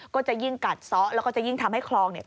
ก็จะยิ่งกัดซ้อแล้วก็จะยิ่งทำให้คลองเนี่ย